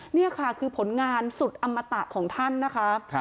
นี่ค่ะคือผลงานสุดอมตะของท่านนะคะ